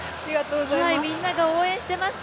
みんなが応援してました